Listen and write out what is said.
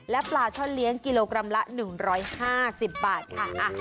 และปลาช่อนเลี้ยงกิโลกรัมละ๑๕๐บาทค่ะ